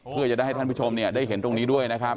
เพื่อจะได้ให้ท่านผู้ชมได้เห็นตรงนี้ด้วยนะครับ